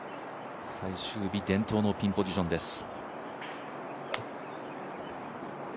最終日伝統のピンポジションです。